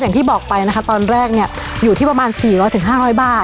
อย่างที่บอกไปนะคะตอนแรกเนี้ยอยู่ที่ประมาณสี่วันถึงห้าร้อยบาท